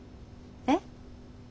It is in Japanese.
えっ？